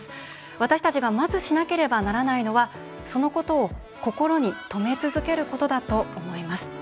私たちがまず、しなければならないのはそのことを、心にとめ続けることだと思います。